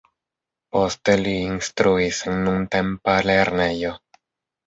Poste li instruis en nuntempa lernejo.